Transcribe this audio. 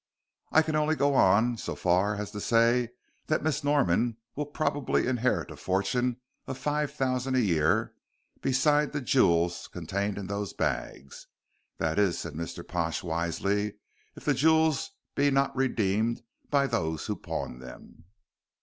"I can only go on so far as to say that Miss Norman will probably inherit a fortune of five thousand a year, beside the jewels contained in those bags. That is," said Mr. Pash, wisely, "if the jewels be not redeemed by those who pawned them."